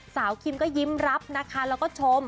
คิมก็ยิ้มรับนะคะแล้วก็ชม